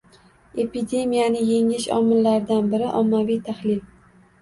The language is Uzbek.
Epidemiyani yengish omillaridan biri - ommaviy tahlil